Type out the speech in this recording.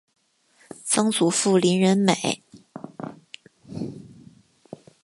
曾祖父林仁美。